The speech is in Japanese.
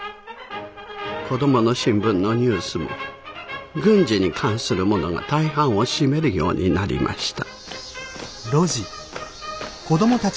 「コドモの新聞」のニュースも軍事に関するものが大半を占めるようになりました。